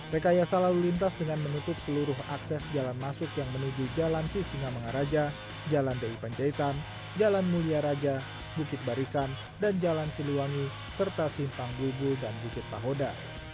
rekayasa lalu lintas dengan menutup seluruh akses jalan masuk yang menuju jalan sisingamengaraja jalan deipanjaitan jalan muliaraja bukit barisan dan jalan siliwangi serta simpang bulbul dan bukit pahoda